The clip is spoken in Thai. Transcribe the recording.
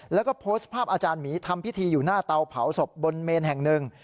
แล้วก็โพสต์ภาพอาจารย์หมีทำพิธีอยู่หน้าเตาเผาศพบนเมนแห่งหนึ่ง